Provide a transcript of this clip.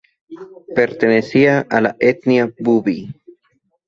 Pertenecía a la etnia bubi.